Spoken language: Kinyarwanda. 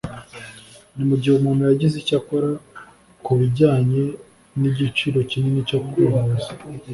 ni mugihe umuntu yagize icyo akora kubijyanye nigiciro kinini cyo kwivuza